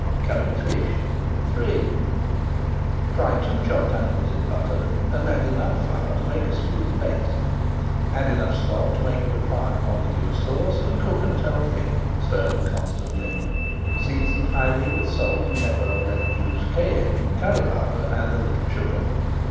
CURRIED FISH III Fry two chopped onions in butter and add enough flour to make a smooth paste. Add enough stock to make the required quantity of [Page 463] sauce, and cook until thick, stirring constantly. Season highly with salt, pepper, lemon juice, cayenne, curry powder, and a little sugar.